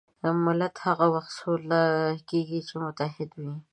ملت هغه وخت سوکاله کېږي چې متحد وي.